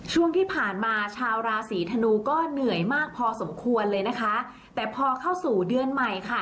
ช่วงที่ผ่านมาชาวราศีธนูก็เหนื่อยมากพอสมควรเลยนะคะแต่พอเข้าสู่เดือนใหม่ค่ะ